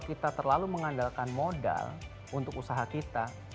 kita terlalu mengandalkan modal untuk usaha kita